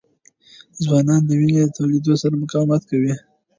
ځوانان د وینې د تویېدو سره مقاومت کوي.